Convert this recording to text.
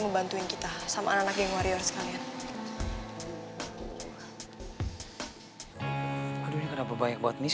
membantuin kita sama anak anak yang warrior sekalian aduh ini kenapa banyak buat miss